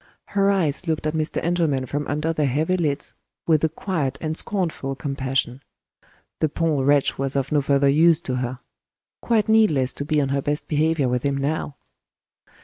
Her eyes looked at Mr. Engelman from under their heavy lids, with a quiet and scornful compassion. The poor wretch was of no further use to her. Quite needless to be on her best behavior with him now!